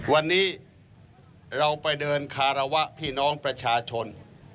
วันนี้เราไปเดินคารวะพี่น้องประชาชน